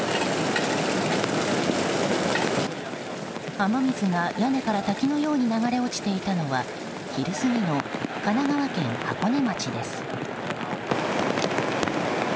雨水が屋根から滝のように流れ落ちていたのは昼過ぎの神奈川県箱根町です。